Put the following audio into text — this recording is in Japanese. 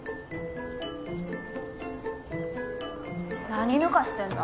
何抜かしてんだ？